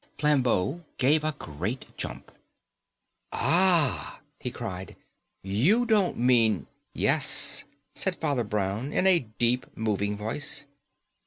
Flambeau gave a great jump. "Ah," he cried, "you don't mean " "Yes," said Father Brown in a deep, moving voice.